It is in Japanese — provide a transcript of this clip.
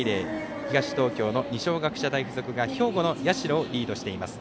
東東京の二松学舎大付属が兵庫の社をリードしています。